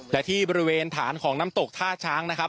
และที่บริเวณฐานของน้ำตกท่าช้างนะครับ